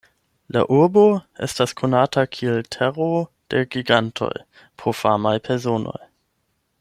La urbo estas konata kiel "Tero de Gigantoj" pro famaj personoj.